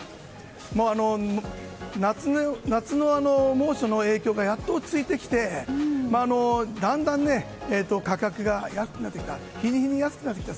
夏の猛暑の影響がやっと落ち着いてきてだんだん、価格が日に日に安くなってきた。